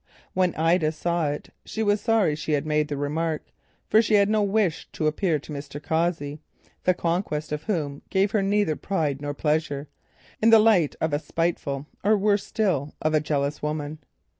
When Ida saw this, she was sorry she had made the remark, for she had no wish to appear to Mr. Cossey (the conquest of whom gave her neither pride nor pleasure) in the light of a spiteful, or worst still, of a jealous woman.